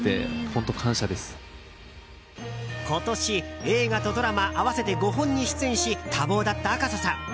今年、映画とドラマ合わせて５本に出演し多忙だった赤楚さん。